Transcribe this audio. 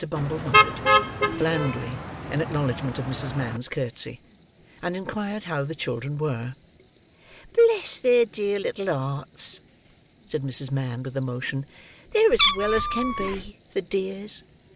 Bumble nodded, blandly, in acknowledgment of Mrs. Mann's curtsey; and inquired how the children were. "Bless their dear little hearts!" said Mrs. Mann with emotion, "they're as well as can be, the dears!